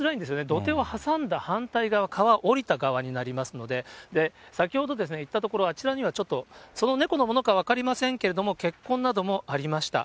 土手を挟んだ反対側、川、下りた側になりますので、先ほど、行ったところ、あちらにはその猫のものか分かりませんけれども、血痕などもありました。